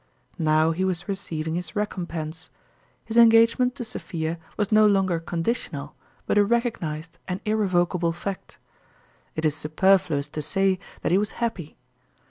Now he was re ceiving his recompense : his engagement to Sophia was no longer conditional, but a recog nized and irrevocable fact. It is superfluous to say that he was happy.